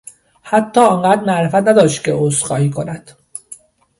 حتی آنقدر معرفت نداشت که عذرخواهی کند.